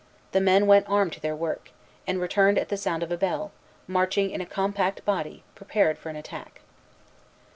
The men went armed to their work, and returned at the sound of a bell, marching in a compact body, prepared for an attack.